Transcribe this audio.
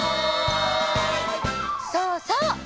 そうそう！